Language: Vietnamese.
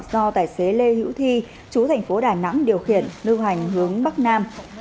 do tài xế lê hữu thi chú thành phố đà nẵng điều khiển lưu hành hướng bắc nam